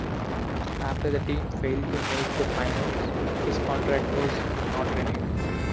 After the team failed to make the finals, his contract was not renewed.